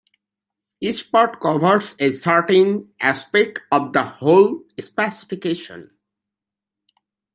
Each part covers a certain aspect of the whole specification.